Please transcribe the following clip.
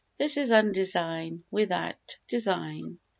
This is undesign within design.